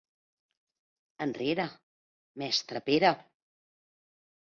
Enrere, mestre Pere!